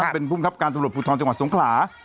เป็นภูมิคับการตำรวจภูทรจังหวัดสงขลา